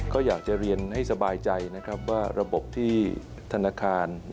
ก็อยากจะเรียนให้สบายใจนะครับว่าระบบที่ธนาคาร